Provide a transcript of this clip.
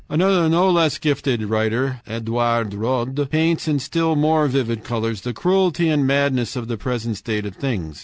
Another no less gifted writer, Edouard Rod, paints in still more vivid colors the cruelty and madness of the present state of things.